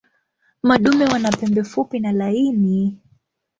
Madume wana pembe fupi na laini.